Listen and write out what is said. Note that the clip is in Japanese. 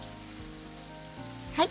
はい。